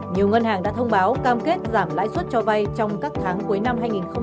nhiều ngân hàng đã thông báo cam kết giảm lãi suất cho vay trong các tháng cuối năm hai nghìn hai mươi